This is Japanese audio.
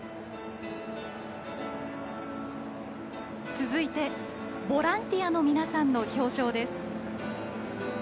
続いてボランティアの皆さんの表彰です。